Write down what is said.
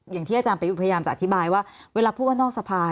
อย่างที่อาจารย์ประยุทธ์พยายามจะอธิบายว่าเวลาพูดว่านอกสภา